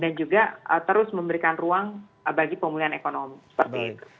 dan juga terus memberikan ruang bagi pemulihan ekonomi seperti itu